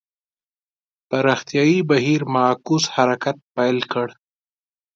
پراختیايي بهیر معکوس حرکت پیل کړ.